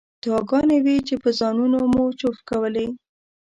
دعاګانې وې چې په ځانونو مو چوف کولې.